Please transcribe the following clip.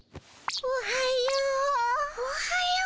おはよう。